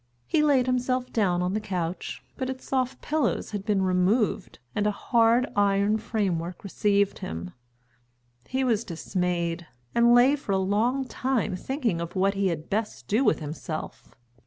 He laid himself down on the couch, but its soft pillows had been removed and a hard iron framework received him. He was dismayed, and lay for a long time thinking of what he had best do with himself.